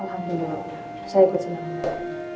alhamdulillah saya ikut senangannya